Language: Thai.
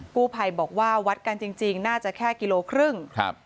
กู้ภัยบอกว่าวัดกันจริงน่าจะแค่กิโลครึ่งครับ